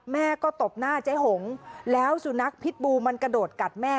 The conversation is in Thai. แม่ก็ตบหน้าเจ๊หงแล้วสุนัขพิษบูมันกระโดดกัดแม่